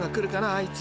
あいつ］